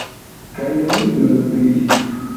Kaj nenion pli.